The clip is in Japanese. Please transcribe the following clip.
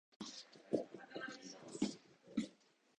埼玉県飯田橋